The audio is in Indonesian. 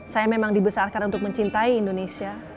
saya memang dibesarkan untuk mencintai indonesia